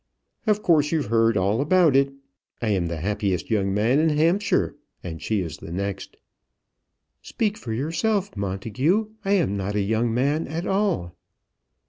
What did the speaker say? "Of course, you've heard all about it. I am the happiest young man in Hampshire, and she is the next." "Speak for yourself, Montagu. I am not a young man at all."